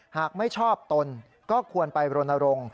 หากไม่ชอบตนก็ควรไปรณรงค์